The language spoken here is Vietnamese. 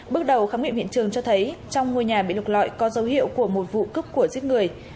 bước đầu khám nghiệm hiện trường cho thấy trong ngôi nhà bị lục lọi có dấu hiệu của một vụ cướp của giết người